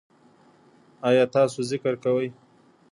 ایا تاسو ذکر کوئ؟